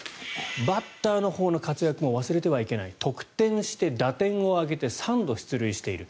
バッターのほうの活躍も忘れてはいけない得点して打点を挙げて３度出塁している。